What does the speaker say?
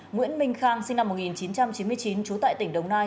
nguyễn minh khang sinh năm một nghìn chín trăm chín mươi chín trú tại tỉnh đồng nai